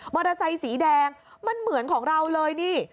เตอร์ไซค์สีแดงมันเหมือนของเราเลยนี่